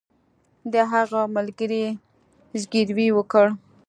د هغه ملګري زګیروی وکړ